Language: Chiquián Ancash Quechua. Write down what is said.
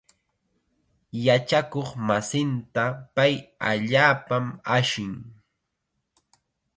Yachakuqmasinta pay allaapam ashan.